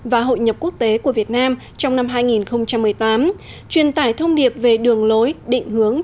và hội nhập quốc tế của việt nam trong năm hai nghìn một mươi tám truyền tải thông điệp về đường lối định hướng